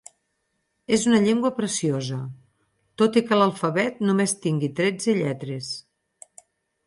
És una llengua preciosa, tot i que l'alfabet només tingui tretze lletres.